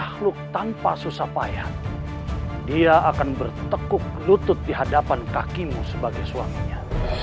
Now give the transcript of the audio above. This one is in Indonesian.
dan takluk tanpa susah payah dia akan bertekuk lutut di hadapan kakimu sebagai suaminya